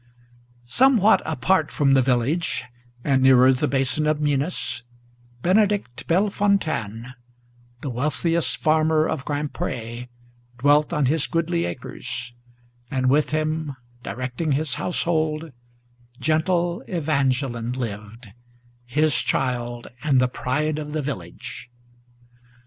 Somewhat apart from the village, and nearer the Basin of Minas, Benedict Bellefontaine, the wealthiest farmer of Grand Pré, Dwelt on his goodly acres; and with him, directing his household, Gentle Evangeline lived, his child, and the pride of the village.